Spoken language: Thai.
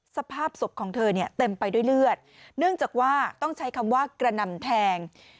สภาพศพของเธอเนี่ยเต็มไปด้วยเลือดเนื่องจากว่าต้องใช้คำว่ากระหน่ำแทง